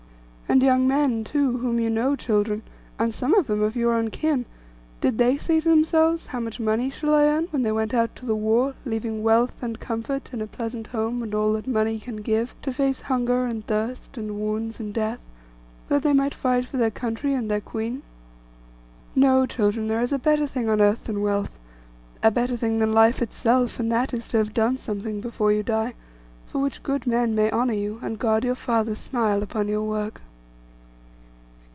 And young men, too, whom you know, children, and some of them of your own kin, did they say to themselves, 'How much money shall I earn?' when they went out to the war, leaving wealth, and comfort, and a pleasant home, and all that money can give, to face hunger and thirst, and wounds and death, that they might fight for their country and their Queen? No, children, there is a better thing on earth than wealth, a better thing than life itself; and that is, to have done something before you die, for which good men may honour you, and God your Father smile upon your work.